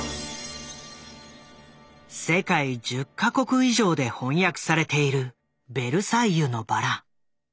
世界１０か国以上で翻訳されている「ベルサイユのばら」。